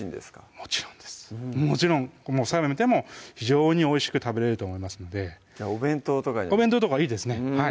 もちろんですもちろん冷めても非常においしく食べれると思いますのでじゃあお弁当とかにお弁当とかいいですね